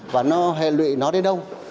và nó hệ lụy nó đến đâu